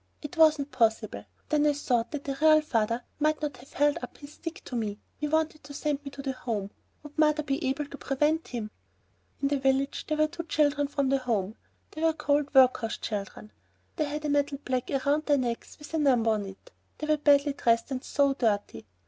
It wasn't possible! Then I thought that a real father might not have held up his stick to me.... He wanted to send me to the Home, would mother be able to prevent him? In the village there were two children from the Home. They were called "workhouse children." They had a metal plaque hung round their necks with a number on it. They were badly dressed, and so dirty!